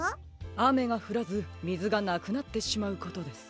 あめがふらずみずがなくなってしまうことです。